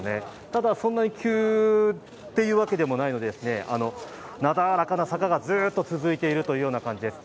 ただ、そんなに急っていうわけでもないので、なだらかな坂がずっと続いているという感じです。